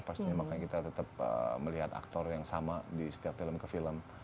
pastinya makanya kita tetap melihat aktor yang sama di setiap film ke film